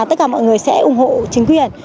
tất cả mọi người sẽ ủng hộ chính quyền